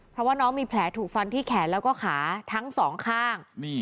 เพราะว่าน้องมีแผลถูกฟันที่แขนแล้วก็ขาทั้งสองข้าง